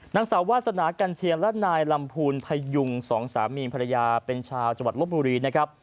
นางสาววาสนากัญเชียงและนายลำพูนพยุงสองสามีภรรยาเป็นชาวจังหวัดลบบุรีนะครับ